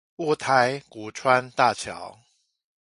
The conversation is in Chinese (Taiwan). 霧台谷川大橋